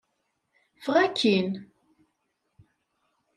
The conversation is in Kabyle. Ffeɣ akkin!